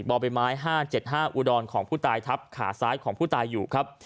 บอบไปไม้ห้าเจ็ดห้าอุดรของผู้ตายทัพขาซ้ายของผู้ตายอยู่ครับ